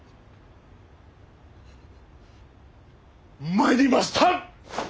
参りました！